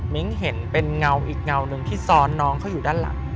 เห็นเป็นเงาอีกเงาหนึ่งที่ซ้อนน้องเขาอยู่ด้านหลัง